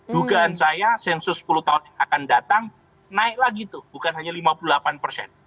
dugaan saya sensus sepuluh tahun yang akan datang naik lagi tuh bukan hanya lima puluh delapan persen